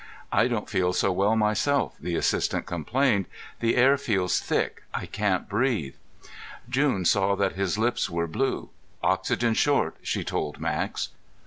"I don't feel so well myself," the assistant complained. "The air feels thick. I can't breathe." June saw that his lips were blue. "Oxygen short," she told Max.